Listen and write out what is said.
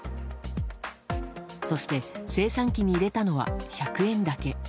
そして、精算機に入れたのは１００円だけ。